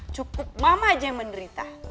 cukup mama aja yang menderita